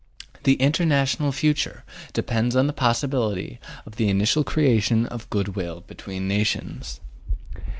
The international future depends upon the possibility of the initial creation of good will between nations.